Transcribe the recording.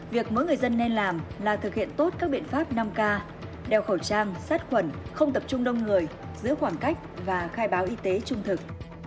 việc mỗi người dân nên làm là thực hiện tốt các biện pháp năm k đeo khẩu trang sát khuẩn không tập trung đông người giữ khoảng cách và khai báo y tế trung thực